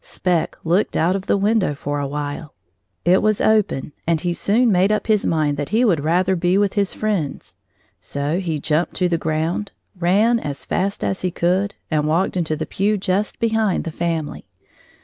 Spec looked out of the window for awhile. It was open, and he soon made up his mind that he would rather be with his friends. So he jumped to the ground, ran as fast as he could, and walked into the pew just behind the family.